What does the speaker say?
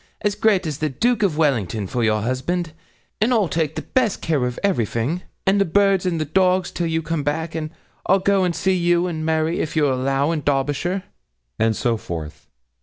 as great as the Duke of Wellington, for your husband; and I'll take the best of care of everything, and the birds and the dogs, till you come back; and I'll go and see you and Mary, if you'll allow, in Derbyshire;' and so forth.